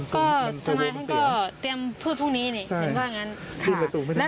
ก็ท่านมาให้ก็เตรียมพูดพรุ่งนี้เนี่ยอย่างกว่าอย่างนั้น